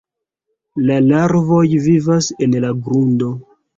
La larvoj vivas en la grundo.